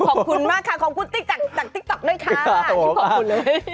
ขอบคุณมากค่ะขอบคุณติ๊กต๊กจากติ๊กต๊อกด้วยค่ะขอบคุณเลย